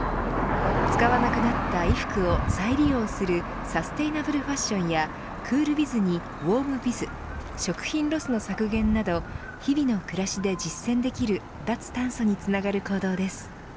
使わなくなった衣服を再利用するサステイナブルファッションやクール・ビズにウォーム・ビズ食品ロスの削減など日々の暮らしで実践できる脱炭素につながる行動です。